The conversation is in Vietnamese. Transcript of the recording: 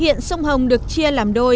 hiện sông hồng được chia làm đôi